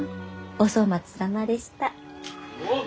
お粗末さまでした。